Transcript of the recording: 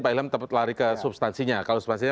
pak ilham lari ke substansinya kalau substansinya